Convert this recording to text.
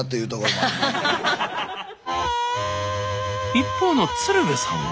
一方の鶴瓶さんは？